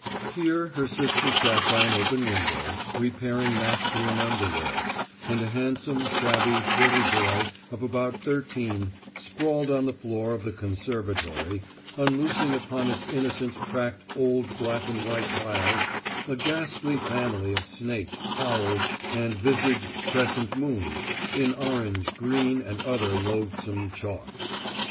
Here her sister sat by an open window, repairing masculine underwear; and a handsome, shabby, dirty boy of about thirteen sprawled on the floor of the "conservatory" unloosing upon its innocent, cracked, old black and white tiles a ghastly family of snakes, owls, and visaged crescent moons, in orange, green, and other loathsome chalks.